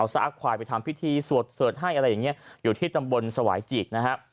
เอาซากควายไปทำพิธีสวดให้อะไรอย่างเงี้ยอยู่ที่ตำบลสวายจีกนะฮะ